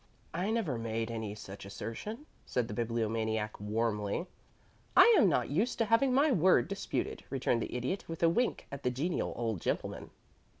"I never made any such assertion," said the Bibliomaniac, warmly. "I am not used to having my word disputed," returned the Idiot, with a wink at the genial old gentleman.